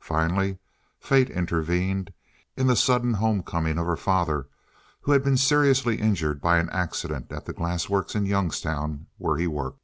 Finally, fate intervened in the sudden home coming of her father, who had been seriously injured by an accident at the glass works in Youngstown where he worked.